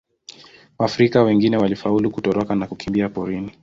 Waafrika wengine walifaulu kutoroka na kukimbia porini.